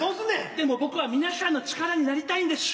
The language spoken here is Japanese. でも僕は皆しゃんの力になりたいんでしゅ。